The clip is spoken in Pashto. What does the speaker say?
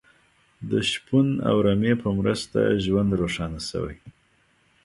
د شپون او رمې په مرسته ژوند روښانه شوی.